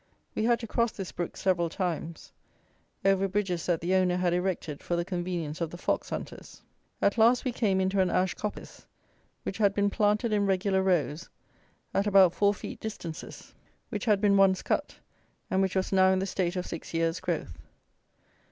We had to cross this brook several times, over bridges that the owner had erected for the convenience of the fox hunters. At last, we came into an ash coppice, which had been planted in regular rows, at about four feet distances, which had been once cut, and which was now in the state of six years' growth.